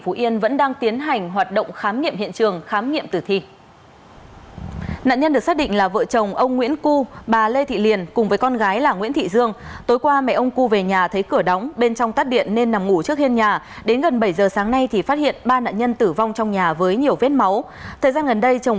hãy đăng kí cho kênh lalaschool để không bỏ lỡ những video hấp dẫn